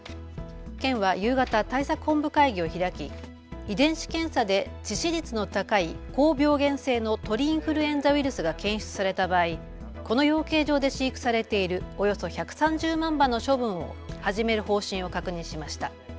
県は夕方、対策本部会議を開き遺伝子検査で致死率の高い高病原性の鳥インフルエンザウイルスが検出された場合この養鶏場で飼育されているおよそ１３０万羽の処分を始める方針を確認しました。